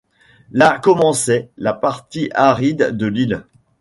Là commençait la partie aride de l’île.